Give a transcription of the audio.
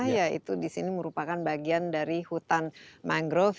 yaitu disini merupakan bagian dari hutan mangrove